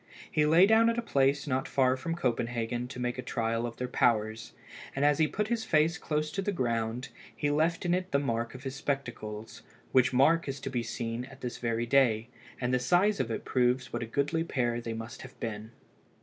He lay down at a place not far from Copenhagen to make a trial of their powers, and as he put his face close to the ground, he left in it the mark of his spectacles, which mark is to be seen at this very day, and the size of it proves what a goodly pair they must have been.